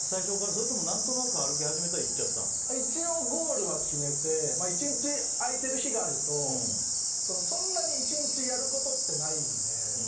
それとも何となく一応ゴールは決めて１日空いてる日があるとそんなに１日やることってないんで。